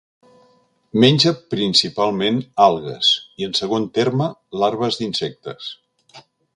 Menja principalment algues, i, en segon terme, larves d'insectes.